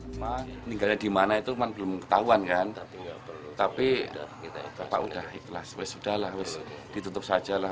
pemang meninggalnya di mana itu memang belum ketahuan kan tapi sudah ikhlas sudah lah ditutup saja lah